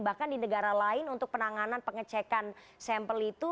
bahkan di negara lain untuk penanganan pengecekan sampel itu